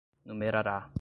numerará